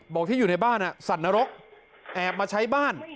ที่อยู่ในบ้านสัตว์นรกแอบมาใช้บ้าน